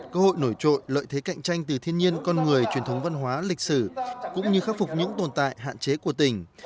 cơ hội nổi trội lợi thế cạnh tranh từ thiên nhiên con người truyền thống văn hóa lịch sử cũng như khắc phục những tồn tại hạn chế của tỉnh